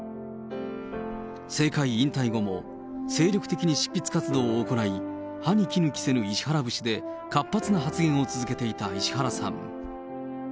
政界引退後も、精力的に執筆活動を行い、歯にきぬ着せぬ石原節で活発な発言を続けていた石原さん。